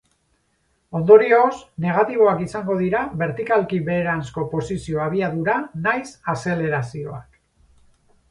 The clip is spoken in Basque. Ondorioz, negatiboak izango dira bertikalki beheranzko posizio abiadura nahiz azelerazioak.